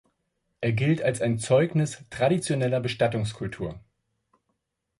Er gilt als ein Zeugnis traditioneller Bestattungskultur.